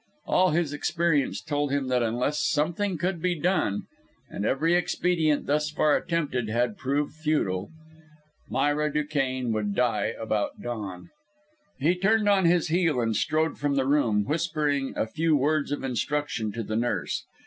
All his experience told him that unless something could be done and every expedient thus far attempted had proved futile Myra Duquesne would die about dawn. He turned on his heel, and strode from the room, whispering a few words of instruction to the nurse.